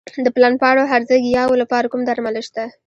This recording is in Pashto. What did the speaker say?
د پلن پاڼو هرزه ګیاوو لپاره کوم درمل شته؟